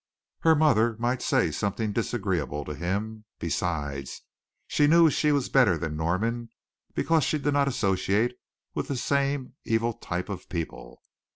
Her mother might say something disagreeable to him. Besides, she knew she was better than Norman because she did not associate with the same evil type of people.